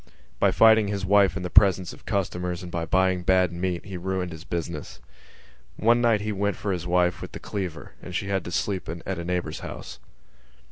By fighting his wife in the presence of customers and by buying bad meat he ruined his business. One night he went for his wife with the cleaver and she had to sleep in a neighbour's house.